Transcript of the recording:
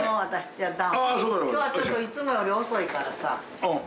いつもより遅いからさ。